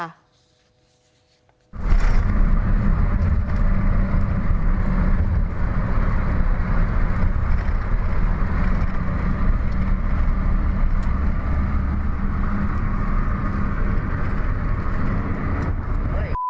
อันนี้